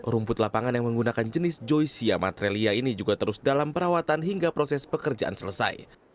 rumput lapangan yang menggunakan jenis joysia matrelia ini juga terus dalam perawatan hingga proses pekerjaan selesai